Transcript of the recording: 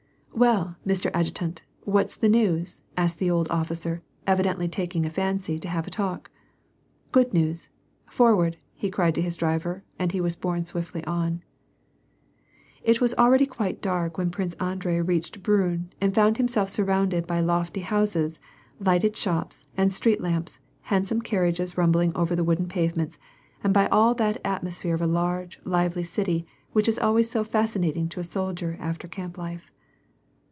"Well, Mr. Adjutant, what's the news?" asked the old officer, evidently taking a fancy to have a talk. *' Good news !— Forward," he cried to his driver, and he was borne swiftly on. It was already quite dark when Prince Andrei reached Briinn and found himself surrounded by lofty houses, liglited shops, and street lamps, handsome carriages rumbling over the wooden pavements, and by all that atmosphere of a large, lively city which is always so fascinating to a soldier after camp life.